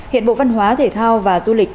hiện bộ văn hóa thể thao và du lịch